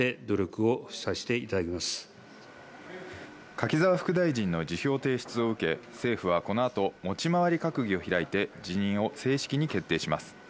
柿沢副大臣の辞表提出を受け、政府はこの後、持ち回り閣議を開いて辞任を正式に決定します。